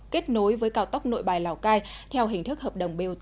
kết nối với cao tốc nội bài lào cai theo hình thức hợp đồng bot